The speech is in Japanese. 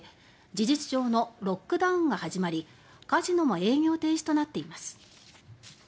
事実上のロックダウンが始まりカジノも営業停止となっています。